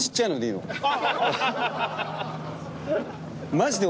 マジで俺。